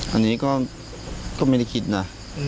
อันนี้ก็ไม่ได้คิดนะ